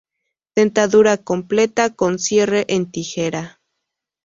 Dentadura completa con cierre en tijera.